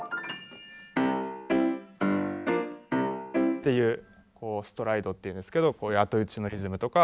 っていうストライドっていうんですけどこういう後打ちのリズムとか。